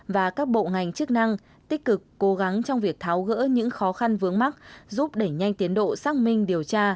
và các bộ ngành chức năng tích cực cố gắng trong việc tháo gỡ những khó khăn vướng mắt giúp đẩy nhanh tiến độ xác minh điều tra